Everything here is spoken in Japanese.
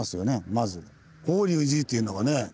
まず法隆寺というのがね。